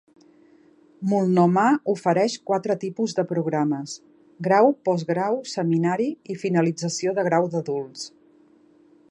Multnomah ofereix quatre tipus de programes: grau, postgrau, seminari i finalització de grau d'adults.